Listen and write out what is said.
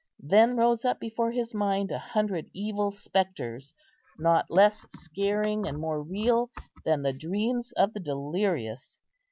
Then rose up before his mind a hundred evil spectres, not less scaring and more real than the dreams of the delirious.